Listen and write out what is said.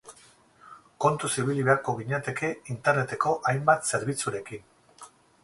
Kontuz ibili beharko ginateke Interneteko hainbat zerbitzurekin.